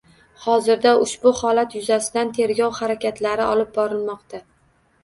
Hozirda ushbu holat yuzasidan tergov harakatlari olib borilmoqda